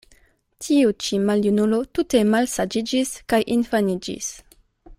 Tiu ĉi maljunulo tute malsaĝiĝis kaj infaniĝis.